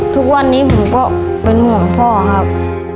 ทุกวันนี้ผมก็เป็นห่วงพ่อครับ